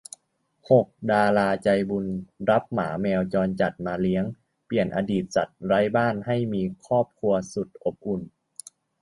หก ดาราใจบุญรับหมาแมวจรจัดมาเลี้ยง เปลี่ยนอดีตสัตว์ไร้บ้านให้มีครอบครัวสุดอบอุ่น